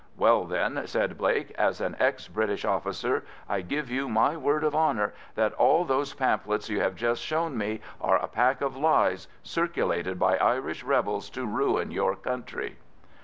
"Well, then," said Blake, "as an ex British officer, I give you my word of honour that all those pamphlets you have just shown me are a pack of lies circulated by Irish rebels to ruin your country."